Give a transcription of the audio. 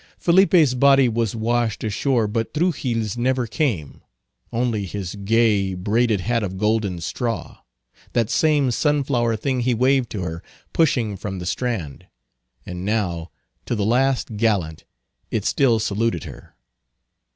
Felipe's body was washed ashore, but Truxill's never came; only his gay, braided hat of golden straw—that same sunflower thing he waved to her, pushing from the strand—and now, to the last gallant, it still saluted her.